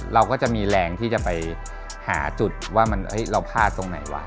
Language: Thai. เราก็จะมีแรงที่จะไปหาจุดว่าเราพลาดตรงไหนวะ